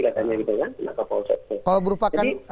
katanya gitu kan